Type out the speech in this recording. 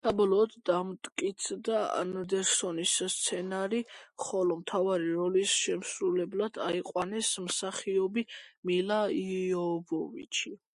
საბოლოოდ დამტკიცდა ანდერსონის სცენარი, ხოლო მთავარი როლის შემსრულებლად აიყვანეს მსახიობი მილა იოვოვიჩი.